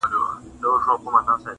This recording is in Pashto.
پټه خوله وځم له بې قدره بازاره,